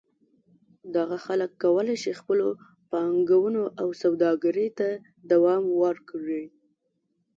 دغه خلک کولای شي خپلو پانګونو او سوداګرۍ ته دوام ورکړي.